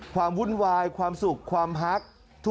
วุ่นวายความสุขความฮัก